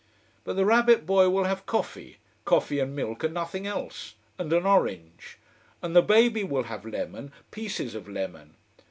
But the rabbit boy will have coffee coffee and milk and nothing else. And an orange. And the baby will have lemon, pieces of lemon.